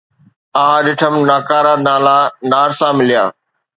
آھ ڏٺم ناڪارا نالا نارسا مليا